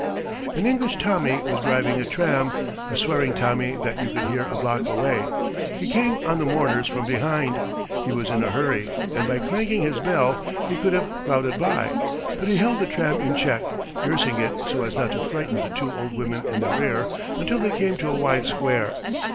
An English Tommy was driving a tram a swearing Tommy that you could hear a block away. He came on the mourners from behind. He was in a hurry, and by clanging his bell he could have crowded by. But he held the tram in check, nursing it so as not to frighten the two old women in the rear until they came to a wide square.